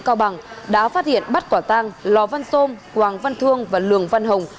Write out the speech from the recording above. cao bằng đã phát hiện bắt quả tăng lò văn xôm quảng văn thương và lường văn hồng